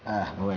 ah ibu weni